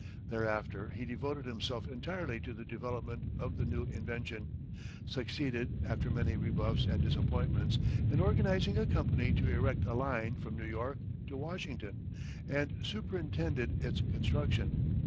Thereafter he devoted himself entirely to the development of the new invention; succeeded, after many rebuffs and disappointments, in organizing a company to erect a line from New York to Washington, and superintended its construction.